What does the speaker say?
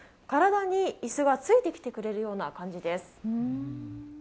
体に椅子がついてきてくれるよう感じです。